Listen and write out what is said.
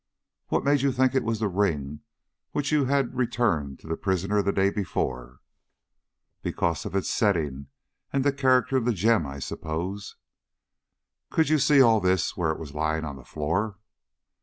"What made you think it was this ring which you had returned to the prisoner the day before?" "Because of its setting, and the character of the gem, I suppose." "Could you see all this where it was lying on the floor?"